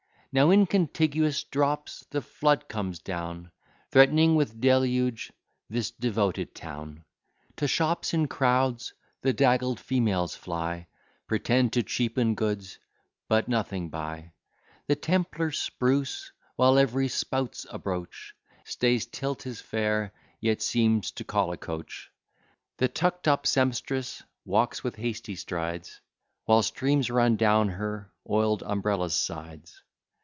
Now in contiguous drops the flood comes down, Threatening with deluge this devoted town. To shops in crowds the daggled females fly, Pretend to cheapen goods, but nothing buy. The Templar spruce, while every spout's abroach, Stays till 'tis fair, yet seems to call a coach. The tuck'd up sempstress walks with hasty strides, While streams run down her oil'd umbrella's sides.